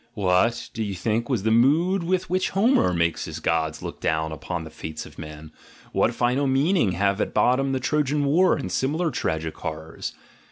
What, do you think, was the mood with which Homer makes his gods look down upon the fates of men? What final meaning have at bottom the Trojan War and similar tragic horrors?